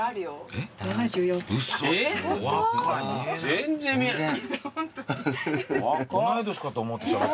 全然見えない。